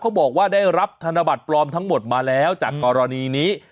บอกว่าได้รับธนบัตรปลอมทั้งหมดมาแล้วจากกรณีนี้